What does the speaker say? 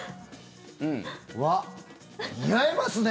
わっ、似合いますね。